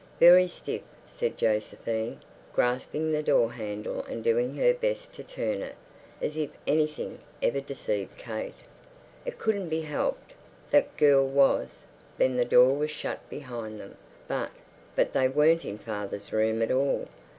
"Very stiff," said Josephine, grasping the doorhandle and doing her best to turn it. As if anything ever deceived Kate! It couldn't be helped. That girl was.... Then the door was shut behind them, but—but they weren't in father's room at all.